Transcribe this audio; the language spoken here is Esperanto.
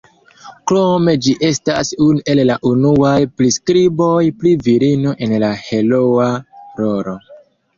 Krome ĝi estas unu el la unuaj priskriboj pri virino en la heroa rolo.